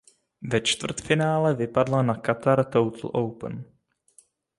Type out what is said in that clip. Ve čtvrtfinále vypadla na Qatar Total Open.